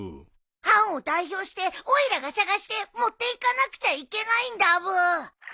班を代表しておいらが探して持っていかなくちゃいけないんだブー。